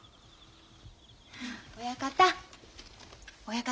親方！